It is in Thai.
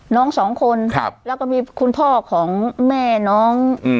น้องสองคนครับแล้วก็มีคุณพ่อของแม่น้อง